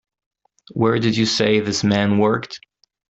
Where did you say this man worked?